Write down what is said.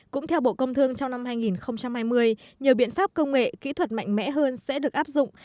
cũng theo bộ công thương trong năm hai nghìn hai mươi nhiều biện pháp công nghệ kỹ thuật mạnh mẽ hơn sẽ được áp dụng